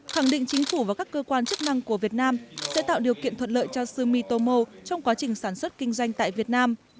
khẳng định chính phủ và các cơ quan chức năng của việt nam sẽ tạo điều kiện thuận lợi cho sumitomo trong quá trình sản xuất kinh doanh tại việt nam